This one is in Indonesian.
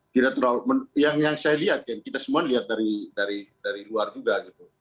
tidak terlalu yang saya lihat kita semua lihat dari luar juga gitu